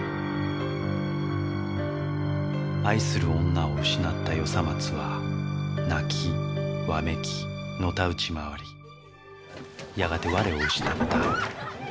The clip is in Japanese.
愛する女を失った与三松は泣きわめきのたうち回りやがて我を失った。